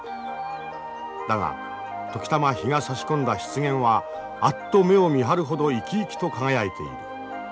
だが時たま日がさし込んだ湿原はあっと目をみはるほど生き生きと輝いている。